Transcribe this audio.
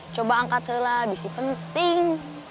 coba angkatlah bisa penting